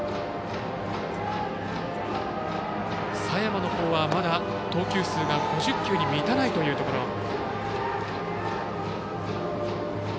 佐山のほうはまだ投球数が５０球に満たないところ。